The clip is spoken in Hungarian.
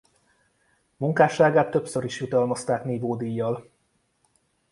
Munkásságát többször is jutalmazták nívódíjjal.